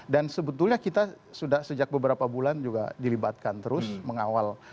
sebetulnya kita sudah sejak beberapa bulan juga dilibatkan terus mengawal